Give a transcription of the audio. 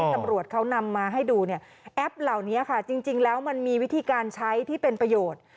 ตำรวจเขานำมาให้ดูเนี่ยแอปเหล่านี้ค่ะจริงแล้วมันมีวิธีการใช้ที่เป็นประโยชน์